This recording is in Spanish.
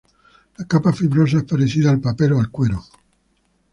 La capa fibrosa es parecida al papel o al cuero.